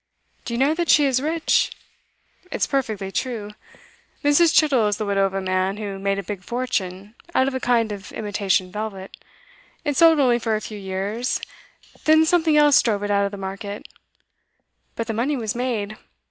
Do you know that she is rich? It's perfectly true. Mrs. Chittle is the widow of a man who made a big fortune out of a kind of imitation velvet. It sold only for a few years, then something else drove it out of the market; but the money was made.